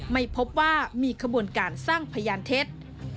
ไม่พบว่ามีขบวนการสร้างพยานเท็จ